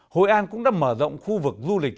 hội an cũng đã mở rộng khu vực du lịch